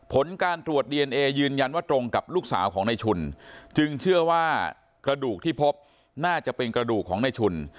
ผลการตรวจดีเอนเอยืนยันว่าตรงกับลูกสาวของในชุนจึงเชื่อว่ากระดูกที่พบน่าจะเป็นกระดูกของในชุน